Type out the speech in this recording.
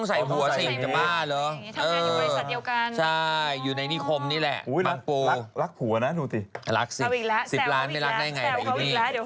แซวเขาอีกแล้วเดี๋ยวพบ